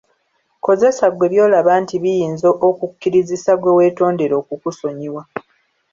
Kozesa ggwe by'olaba nti biyinza okukukkirizisa gwe weetondera okukusonyiwa.